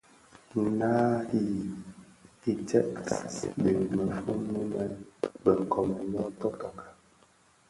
Naa yi stëňkas dhi mëfon mënin bë nkoomèn bō totoka.